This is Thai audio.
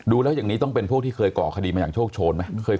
อย่างนี้ต้องเป็นพวกที่เคยก่อคดีมาอย่างโชคโชนไหม